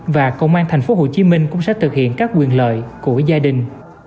và công an thành phố hồ chí minh cũng sẽ thực hiện các quyền lợi của gia đình